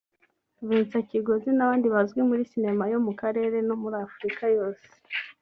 Vincent Kigozi n’abandi bazwi muri Sinema yo mu karere no muri Afurika yose